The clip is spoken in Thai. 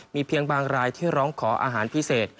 มีเพียงบางรายที่ร้องขออาหารพิเศษ